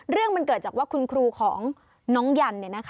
เรื่องมันเกิดจากว่าคุณครูของน้องยัน